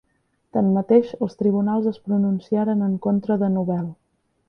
Tanmateix, els tribunals es pronunciaren en contra de Nobel.